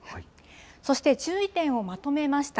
そして、注意点をまとめました。